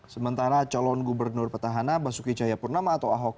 sementara calon gubernur petahana basuki cahayapurnama atau ahok